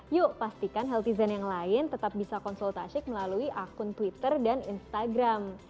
yuk pastikan healthy zen yang lain tetap bisa konsultasik melalui akun twitter dan instagram